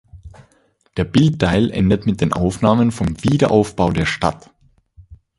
Der Bildteil endet mit Aufnahmen vom Wiederaufbau der Stadt.